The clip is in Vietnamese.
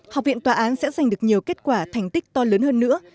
học viện tòa án sẽ giành được nhiều kết quả thành tích to lớn hơn nữa